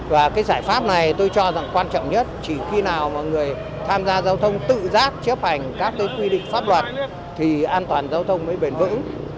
và cái giải pháp này tôi cho rằng quan trọng nhất chỉ khi nào mà người tham gia giao thông tự giác chấp hành các quy định pháp luật thì an toàn giao thông mới bền vững